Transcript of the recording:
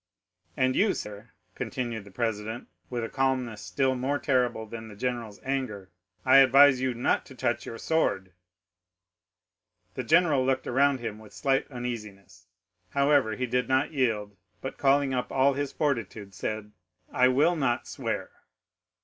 "'"And you, sir," continued the president, with a calmness still more terrible than the general's anger, "I advise you not to touch your sword." The general looked around him with slight uneasiness; however he did not yield, but calling up all his fortitude, said,—"I will not swear."